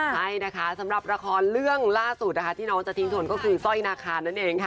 ใช่นะคะสำหรับละครเรื่องล่าสุดนะคะที่น้องจะทิ้งทนก็คือสร้อยนาคารนั่นเองค่ะ